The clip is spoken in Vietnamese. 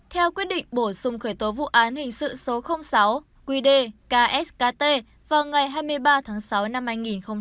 theo quyết định bổ sung khởi tố vụ án hình sự số sáu quy đề kskt vào ngày hai mươi ba tháng sáu năm hai nghìn hai mươi hai